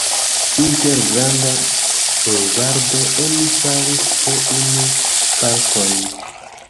Inter Granda bulvardo oni faris po unu parkojn.